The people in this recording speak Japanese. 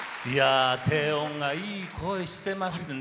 低音がいい声してますね。